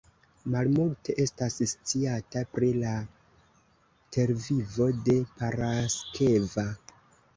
Malmulte estas sciata pri la tervivo de Paraskeva.